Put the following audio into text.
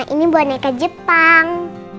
ini boneka jepang